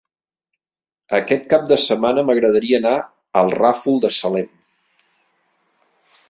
Aquest cap de setmana m'agradaria anar al Ràfol de Salem.